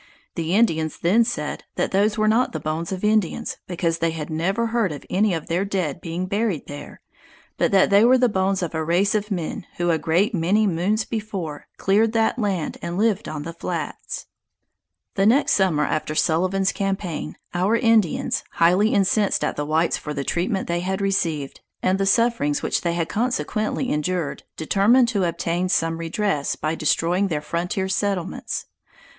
The Indians then said that those were not the bones of Indians, because they had never heard of any of their dead being buried there; but that they were the bones of a race of men who a great many moons before, cleared that land and lived on the flats. The next summer after Sullivan's campaign, our Indians, highly incensed at the whites for the treatment they had received, and the sufferings which they had consequently endured, determined to obtain some redress by destroying their frontier settlements.